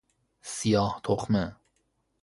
سیاه تخمه